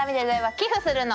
寄付するの。